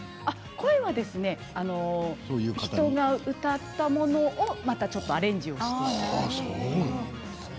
声は人が歌ったものをまたちょっとアレンジをしていると。